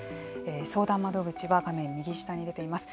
相談窓口は画面右下に出ています